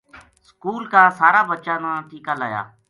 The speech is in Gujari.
سکول کا سارا بچاں نا ٹیکہ لایا